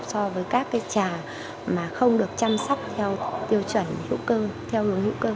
so với các cái chà mà không được chăm sóc theo tiêu chuẩn hữu cơ